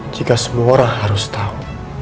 jika semua orang harus tahu